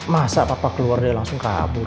masa papa keluar dia langsung kabur